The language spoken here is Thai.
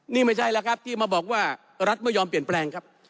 นี่ไม่ใช่แล้วครับที่มาบอกว่ารัฐไม่ยอมเปลี่ยนแปลงครับ